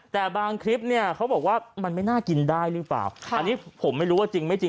แต่บางคลิปเนี่ยเขาบอกว่ามันไม่น่ากินได้หรือเปล่าอันนี้ผมไม่รู้ว่าจริงไม่จริง